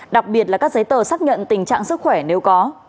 đặc biệt là các giấy tờ xác nhận tình trạng sức khỏe nếu có